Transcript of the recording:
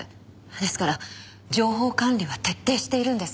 ですから情報管理は徹底しているんです。